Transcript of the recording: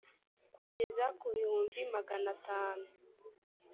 kugeza ku bihumbi magana atanu